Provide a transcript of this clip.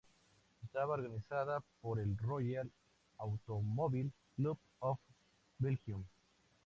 Estaba organizada por el Royal Automobile Club of Belgium.